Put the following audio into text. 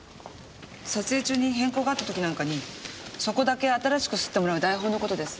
撮影中に変更があった時なんかにそこだけ新しく刷ってもらう台本のことです。